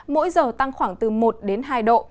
mỗi giờ tăng khoảng từ một đến hai độ